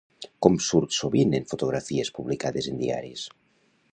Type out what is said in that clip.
Com surt sovint en fotografies publicades en diaris?